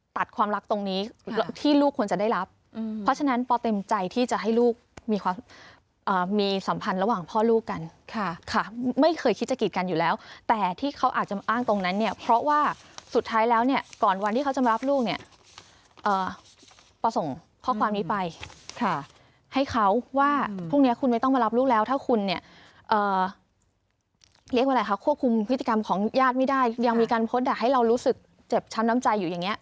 ตัดความรักตรงนี้ค่ะที่ลูกควรจะได้รับอืมเพราะฉะนั้นพ่อเต็มใจที่จะให้ลูกมีความอ่ามีสัมพันธ์ระหว่างพ่อลูกกันค่ะค่ะไม่เคยคิดจะกีดกันอยู่แล้วแต่ที่เขาอาจจะมาอ้างตรงนั้นเนี้ยเพราะว่าสุดท้ายแล้วเนี้ยก่อนวันที่เขาจะมารับลูกเนี้ยอ่าพ่อส่งข้อความนี้ไปค่ะให้เขาว่าพรุ่งเนี้ย